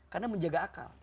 karena menjaga akal